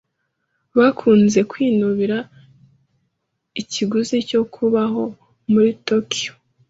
Bakunze kwinubira ikiguzi cyo kubaho muri Tokiyo.